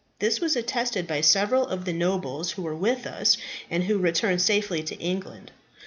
This was attested by several of the nobles who were with us and who returned safely to England.